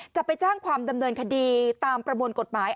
จะไปแจ้งความดำเนินคดีตามประมวลกฎหมาย